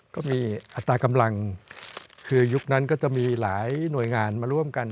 ก็มีอัตรากำลังคือยุคนั้นก็จะมีหลายหน่วยงานมาร่วมกัน